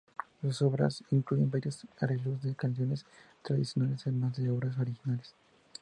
Sus obras incluyen varios arreglos de canciones tradicionales además de obras originales.